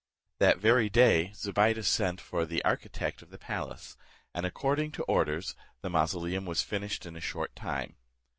That very day Zobeide sent for the architect of the palace, and, according to orders, the mausoleum was finished in a short time.